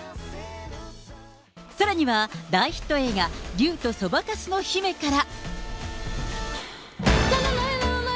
さらには大ヒット映画、竜とそばかすの姫から。